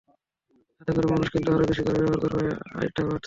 তাতে করে মানুষ কিন্তু আরও বেশি করে ব্যবহার করবে আয়টা বাড়ছে।